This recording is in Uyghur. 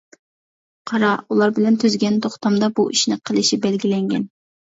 قارا ئۇلار بىلەن تۈزگەن توختامدا بۇ ئىشنى قىلىشى بەلگىلەنگەن.